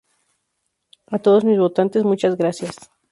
A todos mis votantes muchas gracias".